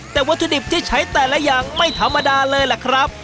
แต่วัตถุดิบที่ใช้แต่ละอย่างไม่ธรรมดาเลยล่ะครับ